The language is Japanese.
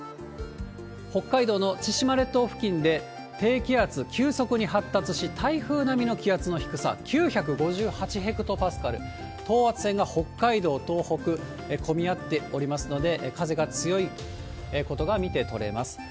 北海道の千島列島付近で、低気圧、急速に発達し、台風並みの気圧の低さ、９５８ヘクトパスカル、等圧線が北海道、東北、込み合っておりますので、風が強いことが見て取れます。